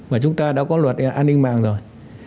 mà chúng ta đã có luật an ninh mạng rồi